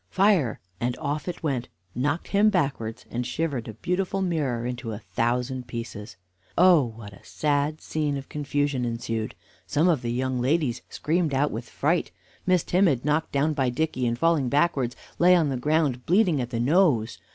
fire!" and off it went, knocked him backwards, and shivered a beautiful mirror into a thousand pieces. Oh, what a sad scene of confusion ensued! Some of the young ladies screamed out with fright. Miss Timid, knocked down by Dicky in falling backwards, lay on the ground bleeding at the nose.